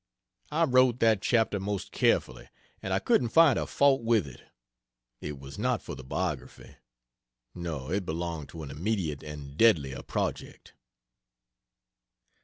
I wrote that chapter most carefully, and I couldn't find a fault with it. (It was not for the biography no, it belonged to an immediate and deadlier project.)